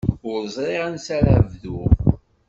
Ur ẓriɣ ansi ara bduɣ.